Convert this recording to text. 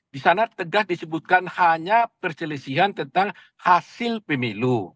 di sana tegas disebutkan hanya perselisihan tentang hasil pemilu